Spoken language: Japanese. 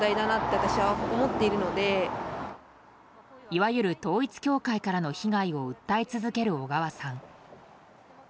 いわゆる統一教会からの被害を訴え続ける小川さん。